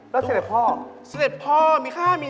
หนูเป็นใคร